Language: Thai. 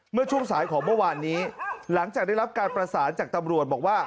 เมื่อช่วงสายของเมื่อวานนี้หลังจากได้รับการประสานจากตำรวจบอกว่า